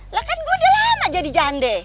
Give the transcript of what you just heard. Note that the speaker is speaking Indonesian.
lah kan gue udah lama jadi jande